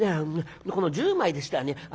「この１０枚でしたらね